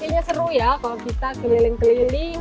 kayaknya seru ya kalau kita keliling keliling